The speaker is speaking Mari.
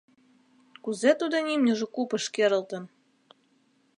Кузе тудын имньыже купыш керылтын?